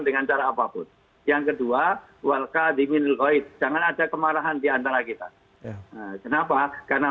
dengan cara apapun yang kedua walkadimin jangan ada kemarahan diantara kita kenapa karena